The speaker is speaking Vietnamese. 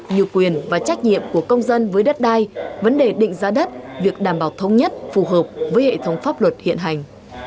như quyền và trách nhiệm của công dân với đất đai vấn đề định giá đất việc đảm bảo thống nhất phù hợp với hệ thống pháp luật hiện hành